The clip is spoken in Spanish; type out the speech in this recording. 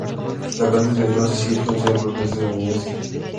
La planta es venenosa si es consumida por personas o animales.